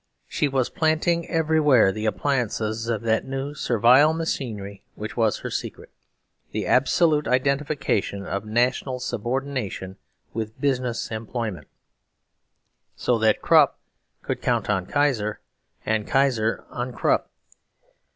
She was planting everywhere the appliances of that new servile machinery which was her secret; the absolute identification of national subordination with business employment; so that Krupp could count on Kaiser and Kaiser on Krupp.